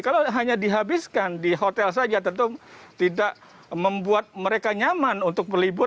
kalau hanya dihabiskan di hotel saja tentu tidak membuat mereka nyaman untuk berlibur